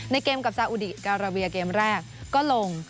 เกมกับซาอุดีการาเบียเกมแรกก็ลง